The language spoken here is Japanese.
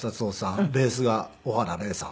ベースが小原礼さん。